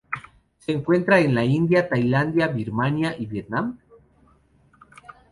Se encuentra en la India, Tailandia, Birmania y Vietnam?